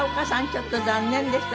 ちょっと残念でしたね。